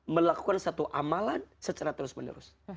melakukan satu amalan secara terus menerus